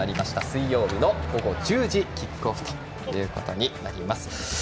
水曜日の午後１０時キックオフとなります。